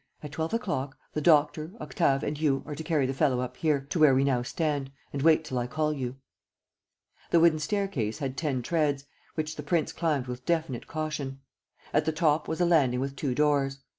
At twelve o'clock, the doctor, Octave and you are to carry the fellow up here, to where we now stand, and wait till I call you." The wooden staircase had ten treads, which the prince climbed with definite caution. At the top was a landing with two doors.